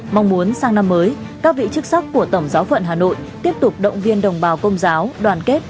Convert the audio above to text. mong muốn sang năm mới các vị chức sắc của tổng giáo phận hà nội tiếp tục động viên đồng bào công giáo đoàn kết